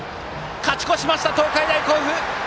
勝ち越しました、東海大甲府！